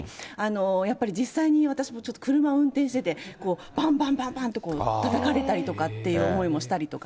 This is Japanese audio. やっぱり実際に私もちょっと車運転してて、ばんばんばんばんとこう、たたかれたりとかっていう思いもしたりとか。